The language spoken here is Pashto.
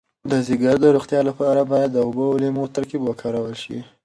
د ځیګر د روغتیا لپاره باید د اوبو او لیمو ترکیب وکارول شي.